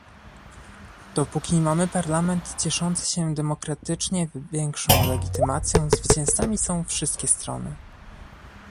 Dopóki mamy Parlament cieszący się demokratycznie większą legitymacją zwycięzcami są wszystkie strony